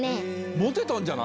モテたんじゃない？